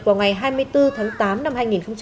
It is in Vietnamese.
vào ngày hai mươi bốn tháng tám năm hai nghìn một mươi sáu